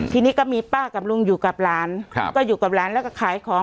ทีนี้ก็มีป้ากับลุงอยู่กับหลานครับก็อยู่กับหลานแล้วก็ขายของ